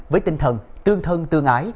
với tinh thần tương thân tương ái